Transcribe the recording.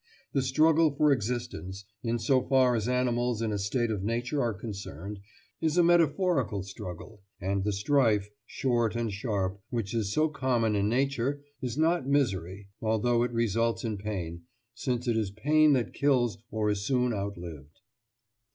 The 'struggle for existence,' in so far as animals in a state of nature are concerned, is a metaphorical struggle; and the strife, short and sharp, which is so common in nature, is not misery, although it results in pain, since it is pain that kills or is soon out lived."